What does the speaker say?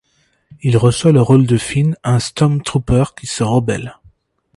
Il reçoit le rôle de Finn, un stormtrooper qui se rebelle.